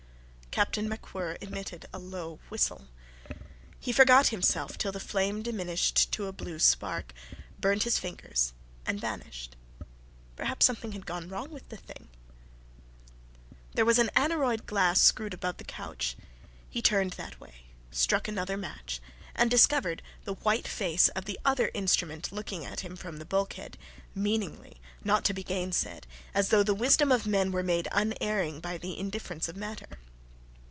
Captain MacWhirr emitted a low whistle. He forgot himself till the flame diminished to a blue spark, burnt his fingers and vanished. Perhaps something had gone wrong with the thing! There was an aneroid glass screwed above the couch. He turned that way, struck another match, and discovered the white face of the other instrument looking at him from the bulkhead, meaningly, not to be gainsaid, as though the wisdom of men were made unerring by the indifference of matter.